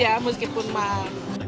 iya meskipun mahal